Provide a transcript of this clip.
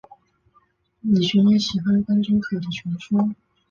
李寻也喜欢甘忠可的学说。